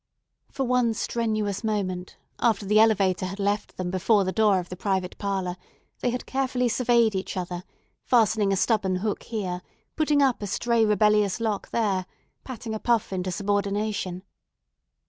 For one strenuous moment after the elevator had left them before the door of the private parlor they had carefully surveyed each other, fastening a stubborn hook here, putting up a stray rebellious lock there, patting a puff into subordination.